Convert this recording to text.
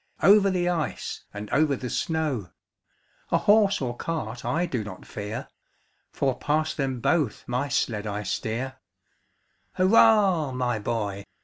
Over the ice, and over the snow; A horse or cart I do not fear. For past them both my sled I steer. Hurra! my boy!